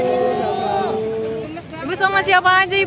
ibu selamat siang lagi lalu